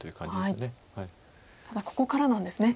ただここからなんですね。